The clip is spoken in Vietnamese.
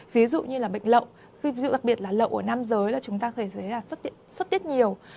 ví dụ như là bệnh lậu ví dụ đặc biệt là lậu ở nam giới là chúng ta có thể thấy là xuất tiết nhiều